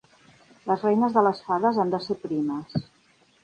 Les reines de les fades han de ser primes.